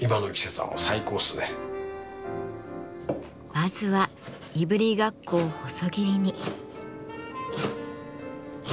まずはいぶりがっこを細切りに。